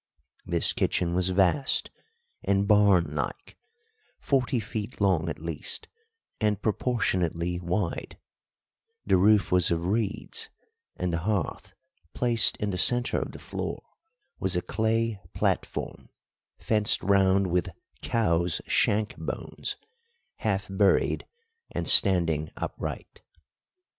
This kitchen was vast and barn like, forty feet long at least, and proportionately wide; the roof was of reeds, and the hearth, placed in the centre of the floor, was a clay platform, fenced round with cows' shank bones, half buried and standing upright.